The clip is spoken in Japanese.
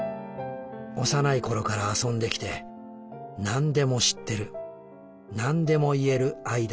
幼い頃から遊んできてなんでも知ってるなんでも言える間柄。